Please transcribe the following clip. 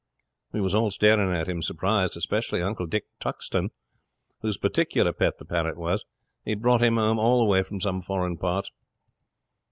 'We was all staring at him surprised, especially Uncle Dick Tuxton, whose particular pet the parrot was. He'd brought him home all the way from some foreign parts.